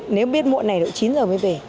nếu biết muộn này là chín giờ mới về